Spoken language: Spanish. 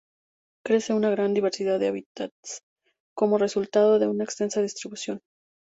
Crece en una gran diversidad de hábitats como resultado de su extensa distribución.